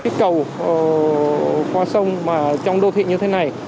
cây cầu qua sông trong đô thị như thế này